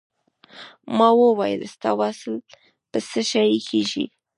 ما وویل ستا وصل په څه شی کېږي.